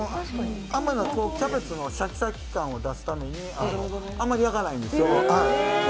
キャベツのシャキシャキ感を出すために、あんまり焼かないんですよ。